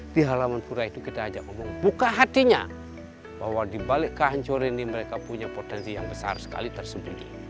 di halaman pura itu kita ajak ngomong buka hatinya bahwa dibalik kehancuran ini mereka punya potensi yang besar sekali tersembunyi